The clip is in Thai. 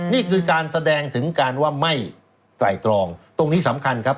นี่คือการแสดงถึงการว่าไม่ไตรตรองตรงนี้สำคัญครับ